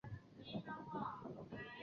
甘谷文庙大成殿的历史年代为明代。